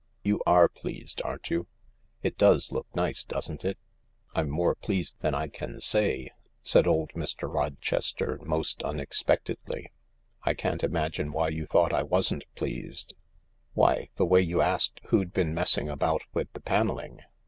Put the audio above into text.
You are pleased, aren't you ? It does look nice, doesn't it ?"" I'm more pleased than I can say," said old Mr. Roches ter most unexpectedly. " I can't imagine why you thought I wasn't pleased." "Why, the way you asked who'd been messing about with the panelling."